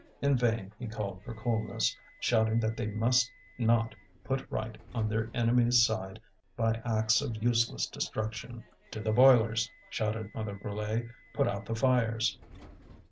In vain he called for coolness, shouting that they must not put right on their enemies' side by acts of useless destruction. "To the boilers!" shouted Mother Brulé. "Put out the fires!"